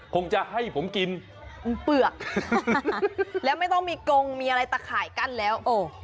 คงจะให้ผมกินเปลือกแล้วไม่ต้องมีกงมีอะไรตะข่ายกั้นแล้วโอ้